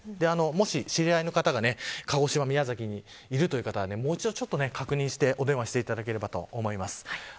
もし、知り合いの方が鹿児島、宮崎にいるという方はもう一度確認してお電話していただければと思います。